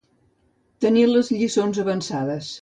Tenir les lliçons avançades.